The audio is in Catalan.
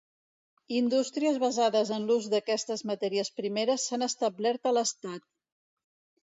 Indústries basades en l'ús d'aquestes matèries primeres s'han establert a l'estat.